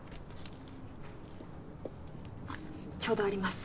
ちょうどあります。